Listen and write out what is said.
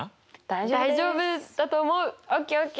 大丈夫だと思う。